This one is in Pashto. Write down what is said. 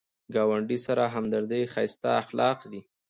ګاونډي سره همدردي ښایسته اخلاق دي